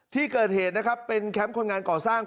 ที่เกิดเหตุนะครับเป็นแคมป์คนงานก่อสร้าง